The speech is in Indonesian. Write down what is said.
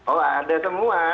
oh ada semua